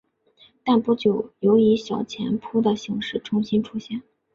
但不久有以小钱铺的形式重新出现。